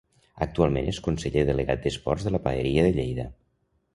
Actualment, és conseller delegat d'Esports de la Paeria de Lleida.